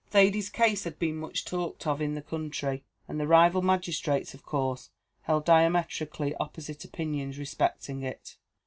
Thady's case had been much talked of in the country, and the rival magistrates, of course, held diametrically opposite opinions respecting it.